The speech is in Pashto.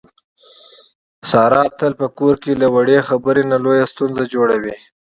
ساره تل په کور کې له وړې خبرې نه لویه ستونزه جوړي.